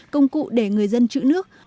công cụ để người dân trữ nước